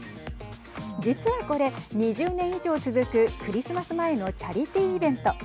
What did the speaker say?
実は、これ２０年以上続くクリスマス前のチャリティーイベント。